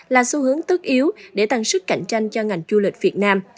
là xu hướng tất yếu để tăng sức cạnh tranh cho ngành du lịch việt nam